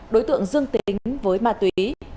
đối tượng dương tính với ma túy